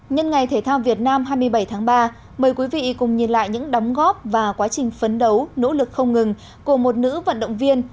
nhân ngày thể thao việt nam hai mươi bảy tháng ba mời quý vị cùng nhìn lại những đóng góp và quá trình phấn đấu nỗ lực không ngừng của một nữ vận động viên